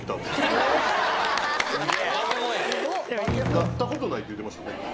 なったことないって言うてましたね